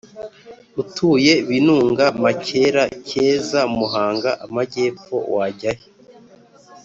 utuye Binunga Makera Cyeza Muhanga Amajyepfo wajyahe